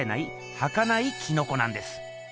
はかないキノコなんです。